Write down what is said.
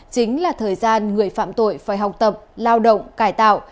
chính là thời gian người phạm tội phải học tập lao động cải tạo